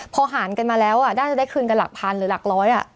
พอหารกันมาแล้วน่าจะได้คืนกันหลักพันหรือหลักร้อย